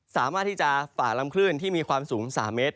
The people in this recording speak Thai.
สามารถที่จะฝ่าลำคลื่นที่มีความสูง๓เมตร